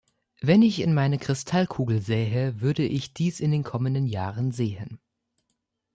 Wenn ich in meine Kristallkugel sähe, würde ich dies in den kommenden Jahren sehen.